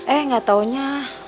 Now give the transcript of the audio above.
eh gak taunya